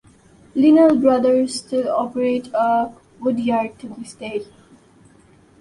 Linnell Brothers still operate a woodyard to this day.